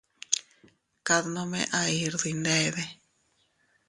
Kad nome ahir dindade.